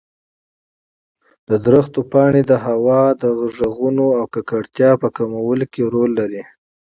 د ونو پاڼې د هوا د غږونو او ککړتیا په کمولو کې رول لري.